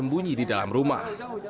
sembunyi di dalam rumah